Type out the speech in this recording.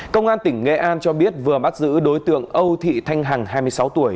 công an tỉnh nghệ an cho biết vừa bắt giữ đối tượng âu thị thanh hằng hai mươi sáu tuổi